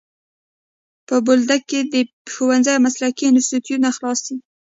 په بولدک کي دي ښوونځی او مسلکي انسټیټونه خلاص سي.